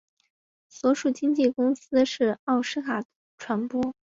所属经纪公司是奥斯卡传播。